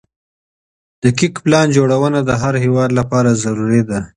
دقيق پلان جوړونه د هر هيواد لپاره ضروري ده.